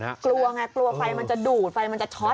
กลัวไงกลัวไฟมันจะดูดไฟมันจะช็อต